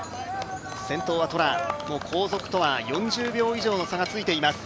先頭はトラ、後続とは４０秒以上の差がついています。